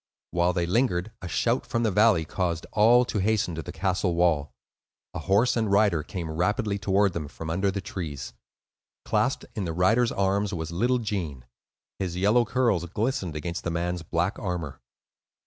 While they lingered, a shout from the valley caused all to hasten to the castle wall. A horse and rider came rapidly toward them from under the trees; clasped in the rider's arms was little Gene; his yellow curls glistened against the man's black armor.